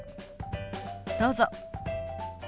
どうぞ。